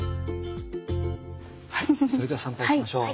はいそれでは参拝しましょう。